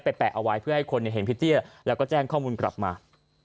แปะเอาไว้เพื่อให้คนเห็นพี่เตี้ยแล้วก็แจ้งข้อมูลกลับมา